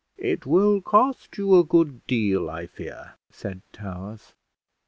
"It will cost you a good deal, I fear," said Towers.